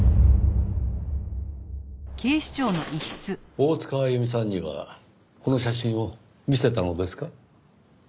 大塚あゆみさんにはこの写真を見せたのですか？